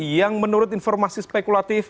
yang menurut informasi spekulatif